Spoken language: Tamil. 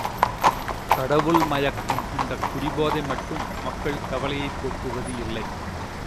கடவுள் மயக்கம் இந்தக் குடிபோதை மட்டும் மக்கள் கவலையைப் போக்குவது இல்லை.